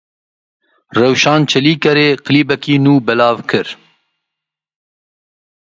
Rewşan Çelîkerê klîbeke nû belav kir.